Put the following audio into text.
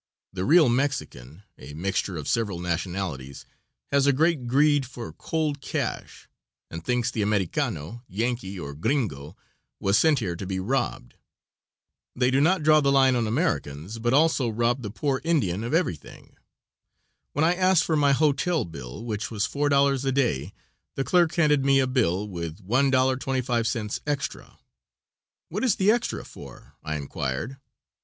The real Mexican a mixture of several nationalities has a great greed for cold cash, and thinks the Americano, Yankee, or gringo, was sent here to be robbed. They do not draw the line on Americans, but also rob the poor Indian of everything. When I asked for my hotel bill, which was $4 a day, the clerk handed me a bill with $1.25 extra. "What is the extra for?" I inquired.